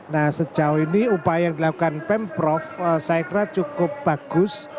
nah sejauh ini upaya yang dilakukan pemprov saya kira cukup bagus